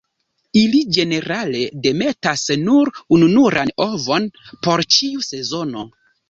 Ili ĝenerale demetas nur ununuran ovon por ĉiu sezono.